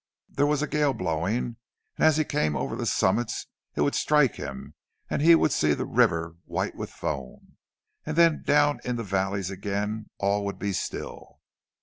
There was a gale blowing, and as he came over the summits it would strike him, and he would see the river white with foam. And then down in the valleys again all would be still.